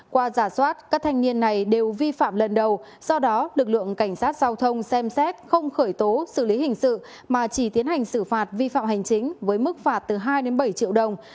qua giả soát các thanh niên này đều vi phạm lần đầu do đó lực lượng cảnh sát giao thông xem xét không khởi tố xử lý hình sự mà chỉ tiến hành xử phạt vi phạm hành chính với mức phạt từ hai bảy triệu đồng